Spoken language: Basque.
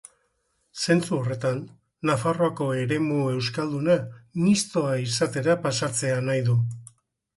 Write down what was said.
Zentzu horretan Nafarroako eremu euskalduna mistoa izatera pasatzea nahi du.